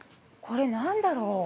◆これ何だろう。